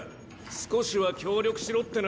少しは協力しろってな。